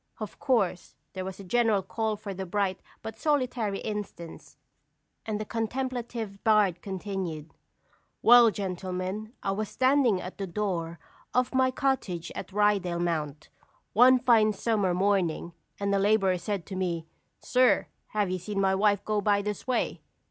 Of course there was a general call for the bright but solitary instance. And the contemplative bard continued: "Well, gentlemen, I was standing at the door of my cottage on Rydal Mount, one fine summer morning, and a laborer said to me: 'Sir, have you seen my wife go by this way?'